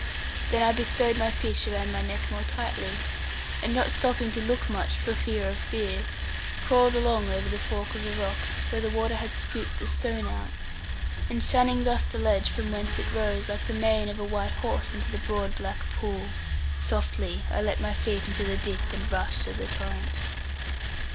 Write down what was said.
Then I bestowed my fish around my neck more tightly, and not stopping to look much, for fear of fear, crawled along over the fork of rocks, where the water had scooped the stone out, and shunning thus the ledge from whence it rose like the mane of a white horse into the broad black pool, softly I let my feet into the dip and rush of the torrent.